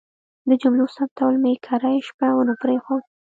د جملو ثبتول مې کرۍ شپه ونه پرېښود.